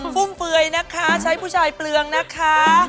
ฟุ่มเฟือยนะคะใช้ผู้ชายเปลืองนะคะ